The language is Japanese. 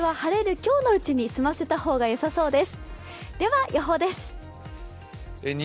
今日のうちに済ませた方がよさそうです。